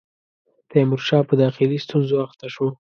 تیمورشاه په داخلي ستونزو اخته شو.